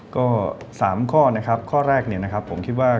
ก็๓ข้อข้อแรกผมคิดว่า